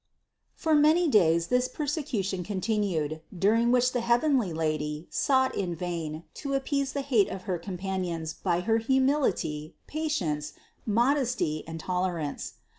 For many days this persecution continued, during which the heavenly Lady sought in vain to appease the hate of her companions by her humility, patience, modesty and tolerance.